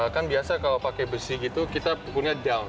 kan biasa kalau pakai besi gitu kita punya down